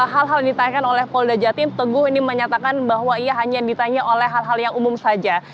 hal hal yang ditanyakan oleh polda jatim teguh ini menyatakan bahwa ia hanya ditanya oleh hal hal yang umum saja